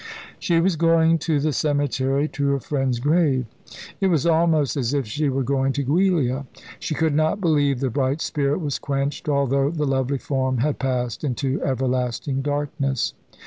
She was going to the cemetery, to her friend's grave. It was almost as if she were going to Giulia. She could not believe the bright spirit was quenched, although the lovely form had passed into everlasting darkness.